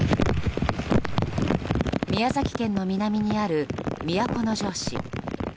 宮崎県の南にある都城市。